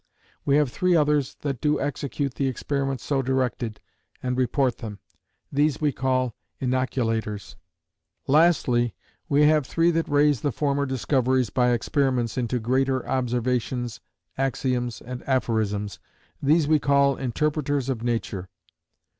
"We have three others that do execute the experiments so directed, and report them. These we call Inoculators. "Lastly, we have three that raise the former discoveries by experiments into greater observations, axioms, and aphorisms. These we call Interpreters of Nature.